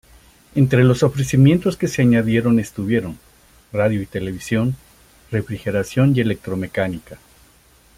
Entre los ofrecimientos que se añadieron estuvieron: Radio y Televisión, Refrigeración y Electromecánica.